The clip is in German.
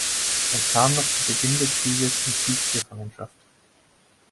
Er kam noch zu Beginn des Krieges in Kriegsgefangenschaft.